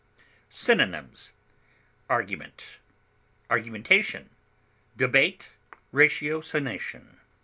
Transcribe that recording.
Synonyms: argument, argumentation, debate, ratiocination.